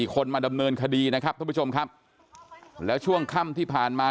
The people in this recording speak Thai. คนมาดำเนินคดีนะครับท่านผู้ชมครับแล้วช่วงค่ำที่ผ่านมา